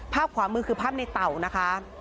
ขวามือคือภาพในเต่านะคะ